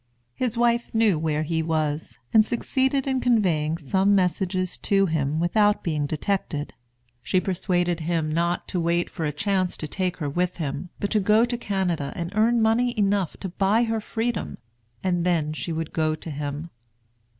His wife knew where he was, and succeeded in conveying some messages to him, without being detected. She persuaded him not to wait for a chance to take her with him, but to go to Canada and earn money enough to buy her freedom, and then she would go to him.